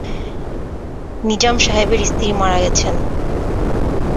নিজাম সাহেবের স্ত্রী মারা গেছেন।